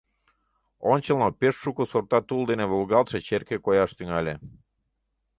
Ончылно пеш шуко сорта тул дене волгалтше черке кояш тӱҥале.